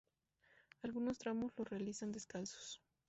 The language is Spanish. Algunos tramos los realizan descalzos.